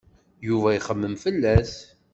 Yuba ixemmem fell-as.